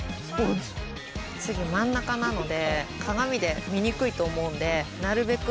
次真ん中なので鏡で見にくいと思うんでなるべく。